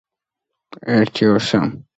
ერთვის კარის ზღვის ტაიმირის უბეს.